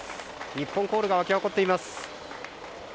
日本コールが沸き起こっています。